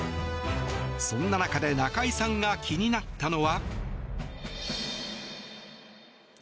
そんな中で中居さんが気になったのは。